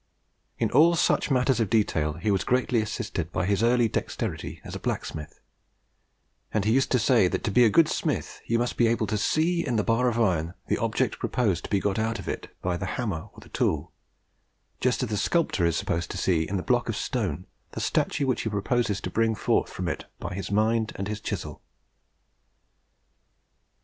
In all such matters of detail he was greatly assisted by his early dexterity as a blacksmith; and he used to say that to be a good smith you must be able to SEE in the bar of iron the object proposed to be got out of it by the hammer or the tool, just as the sculptor is supposed to see in the block of stone the statue which he proposes to bring forth from it by his mind and his chisel.